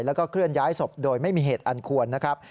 แล้วก็เคลื่อนย้ายศพโดยไม่มีเหตุอันควรนะครับ